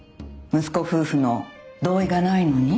息子夫婦の同意がないのに？